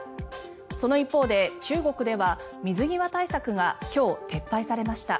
その一方で、中国では水際対策が今日、撤廃されました。